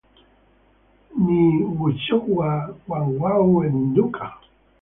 Ni w'uchokwa ghwaw'emduka.